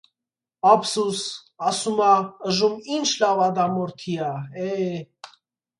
Ափսուս, ասում ա, ըժում ի՛նչ լավ ադամորդի ա, է՜: